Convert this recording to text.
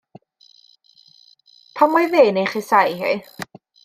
Pam oedd e'n ei chasáu hi?